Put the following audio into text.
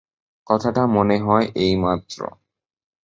কথাটা মনে হয় এই মাত্র।